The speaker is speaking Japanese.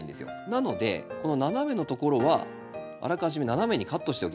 なのでこの斜めのところはあらかじめ斜めにカットしておきましょう。